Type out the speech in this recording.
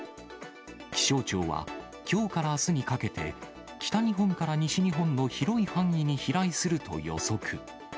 気象庁は、きょうからあすにかけて、北日本から西日本の広い範囲に飛来すると予測。